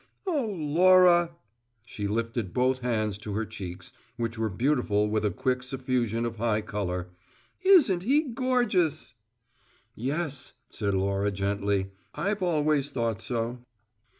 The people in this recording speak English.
Oh, Laura!" She lifted both hands to her cheeks, which were beautiful with a quick suffusion of high colour. "Isn't he gorgeous!" "Yes," said Laura gently, "I've always thought so."